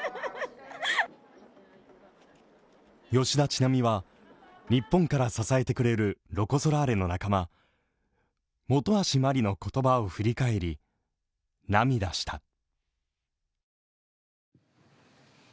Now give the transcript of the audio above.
吉田知那美は日本から支えてくれるロコ・ソラーレの仲間、本橋麻里の言葉を振り返り、涙した。